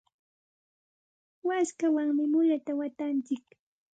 waskawanmi mulata watantsik.